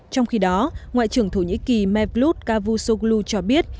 trong khi đó ngoại trưởng thổ nhĩ kỳ mevlut cavusoglu cho biết